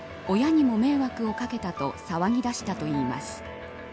親にも迷惑をかけたと騒ぎだしたといいます。